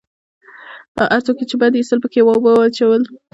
هر څوک چې يې بد اېسېدل پکښې وابه يې چول.